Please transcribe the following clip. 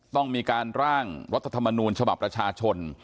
ต้องมีการร่างรัฐธรรมนูญฉบับประชาชน